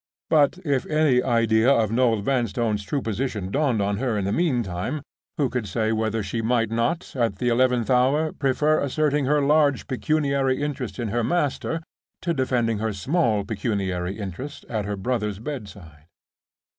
But if any idea of Noel Vanstone's true position dawned on her in the meantime, who could say whether she might not, at the eleventh hour, prefer asserting her large pecuniary interest in her master, to defending her small pecuniary interest at her brother's bedside?